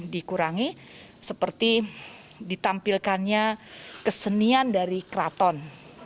dikurangi seperti ditampilkannya kesenian dari keraton